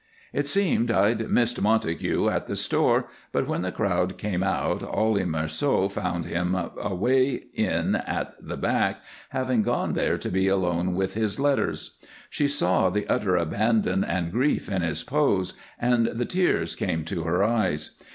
It seems I'd missed Montague at the store, but when the crowd came out Ollie Marceau found him away in at the back, having gone there to be alone with his letters. She saw the utter abandon and grief in his pose, and the tears came to her eyes.